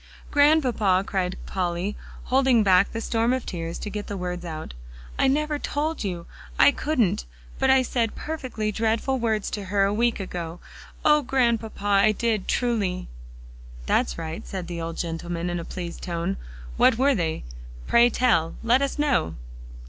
"Grandpapa," cried Polly, holding back the storm of tears to get the words out, "I never told you I couldn't but I said perfectly dreadful words to her a week ago. Oh, Grandpapa! I did, truly." "That's right," said the old gentleman in a pleased tone. "What were they, pray tell? Let us know."